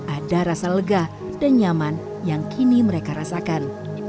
ada rasa lega dan nyaman yang kini mereka rasakan